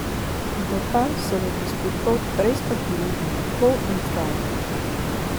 En total solo disputó tres partidos y marcó un try.